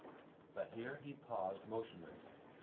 But here he paused motionless.